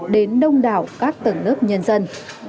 đến đông đảo các tầng lớp nhân dân